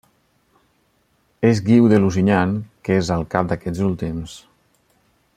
És Guiu de Lusignan que és al cap d'aquests últims.